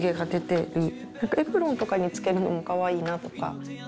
エプロンとかにつけるのもかわいいなとか。